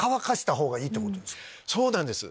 そうなんです。